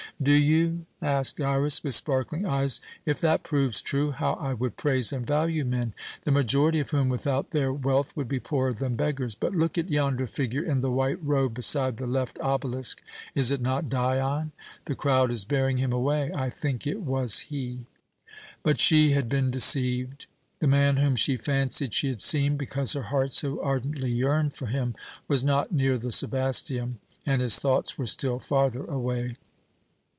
"Do you?" asked Iras, with sparkling eyes. "If that proves true, how I would praise and value men the majority of whom without their wealth would be poorer than beggars. But look at yonder figure in the white robe beside the left obelisk is it not Dion? The crowd is bearing him away I think it was he." But she had been deceived; the man whom she fancied she had seen, because her heart so ardently yearned for him, was not near the Sebasteum, and his thoughts were still farther away.